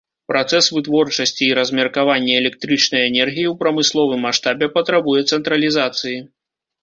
Працэс вытворчасці і размеркавання электрычнай энергіі ў прамысловым маштабе патрабуе цэнтралізацыі.